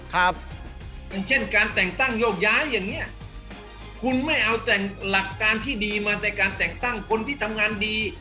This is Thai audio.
อย่างเช่นการแต่งตั้งโยกย้ายอย่างเนี้ยคุณไม่เอาแต่หลักการที่ดีมาแต่การแต่งตั้งคนที่ทำงานดี